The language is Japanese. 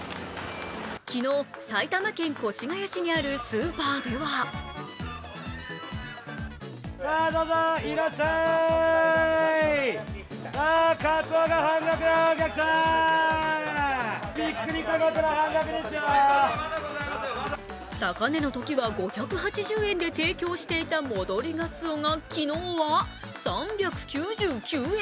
昨日、埼玉県越谷市にあるスーパーでは高値のときは５８０円で提供していた戻りがつおが昨日は３９９円。